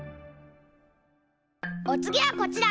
おつぎはこちら！